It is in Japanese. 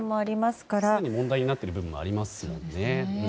すでに問題になっている部分もありますもんね。